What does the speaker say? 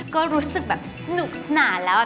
ก็รู้สึกแบบสนุกสนานแล้ว